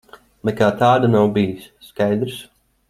Nekā tāda nav bijis. Skaidrs?